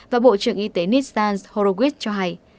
và bộ trưởng y tế nissan horowitz cho hay